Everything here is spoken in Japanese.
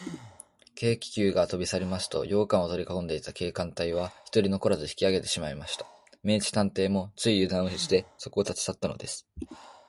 軽気球がとびさりますと、洋館をとりかこんでいた警官隊は、ひとり残らず引きあげてしまいました。明智探偵も、ついゆだんをして、そこを立ちさったのです。